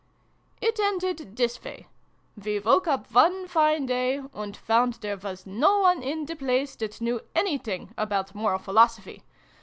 "It ended this way. We woke up one fine day, and found there was no one in the place that knew anything about Moral Philosophy.